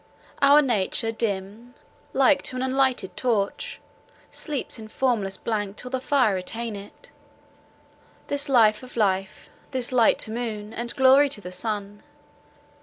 Our nature dim, like to an unlighted torch, sleeps in formless blank till the fire attain it; this life of life, this light to moon, and glory to the sun.